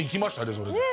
それで。